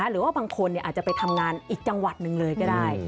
หรือว่าบางคนอาจจะไปทำงานอีกจังหวัดหนึ่งเลยก็ได้